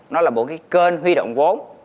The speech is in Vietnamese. nó là một cái kênh huy động vốn